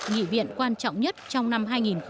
nghị viện quan trọng nhất trong năm hai nghìn một mươi tám